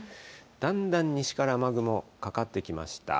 だんだん西から雨雲かかってきました。